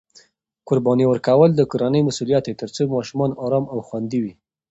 قرباني ورکول د کورنۍ مسؤلیت دی ترڅو ماشومان ارام او خوندي وي.